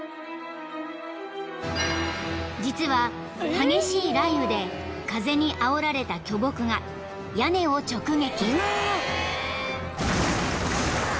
［実は激しい雷雨で風にあおられた巨木が屋根を直撃］